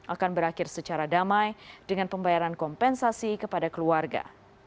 akan berakhir secara damai dengan pembayaran kompensasi kepada keluarga